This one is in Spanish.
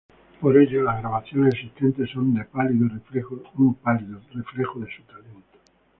Por ello las grabaciones existentes son un pálido reflejo de su talento.